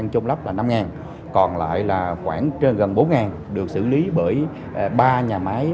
trôn lấp là năm còn lại là khoảng trên gần bốn được xử lý bởi ba nhà máy